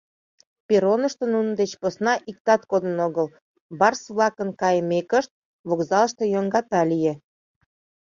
Перронышто нунын деч посна иктат кодын огыл: барс-влакын кайымекышт, вокзалыште йоҥгата лие.